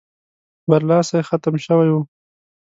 برلاسی ختم شوی وو.